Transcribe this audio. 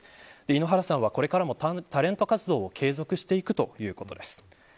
井ノ原さんは、これからもタレント活動は継続していくということです。